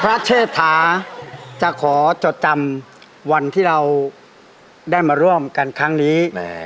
เชษฐาจะขอจดจำวันที่เราได้มาร่วมกันครั้งนี้